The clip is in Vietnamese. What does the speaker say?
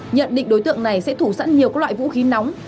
nhận định đối tượng này sẽ thủ sẵn nhiều các loại vũ khí nóng